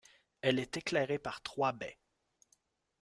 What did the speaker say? Elle est éclairée par trois baies.